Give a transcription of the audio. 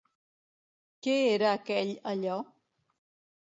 Què era aquell allò?